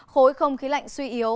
khối không khí lạnh suy yếu